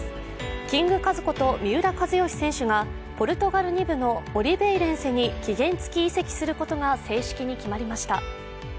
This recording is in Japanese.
キングカズこと三浦知良選手がポルトガル２部のオリベイレンセに期限付き移籍することが正式に決まりました。